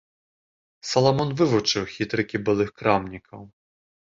Саламон вывучыў хітрыкі былых крамнікаў.